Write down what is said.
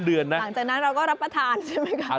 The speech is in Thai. หลังจากนั้นเราก็รับประทานใช่ไหมคะ